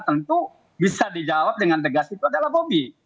tentu bisa dijawab dengan tegas itu adalah bobi